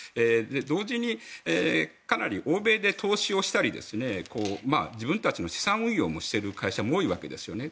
同時にかなり欧米で投資をしたり自分たちの資産運用をしている会社も多いわけですよね。